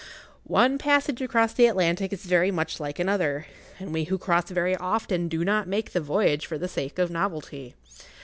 One passage across the Atlantic is very much like another, and we who cross very often do not make the voyage for the sake of novelty.